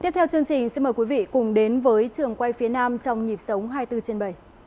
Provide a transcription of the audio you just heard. tiếp theo chương trình xin mời quý vị cùng đến với trường quay phía nam trong nhịp sống hai mươi bốn trên bảy